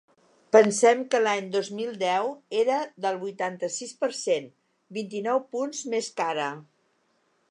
Pensem que l’any dos mil deu era del vuitanta-sis per cent, vint-i-nou punts més que ara.